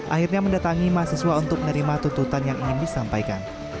akhirnya mendatangi mahasiswa untuk menerima tuntutan yang ingin disampaikan